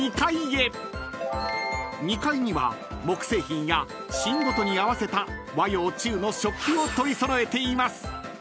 ［２階には木製品やシーンごとに合わせた和洋中の食器を取り揃えています］